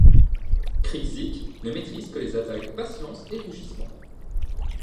Crikzik ne maîtrise que les attaques Patience et Rugissement.